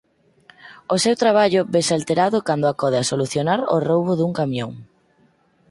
O seu traballo vese alterado cando acode a solucionar o roubo dun camión.